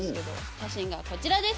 写真がこちらです。